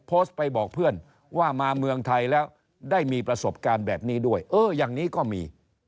โพสต์ไปบอกเพื่อนว่ามาเมืองไทยแล้วได้มีประสบการณ์แบบนี้ด้วยเอออย่างนี้ก็มี